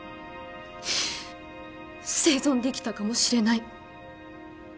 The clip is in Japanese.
生存できたかもしれない。